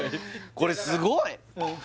これすごい！